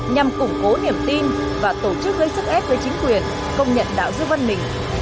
nhằm củng cố niềm tin và tổ chức gây sức ép với chính quyền công nhận đạo dư văn minh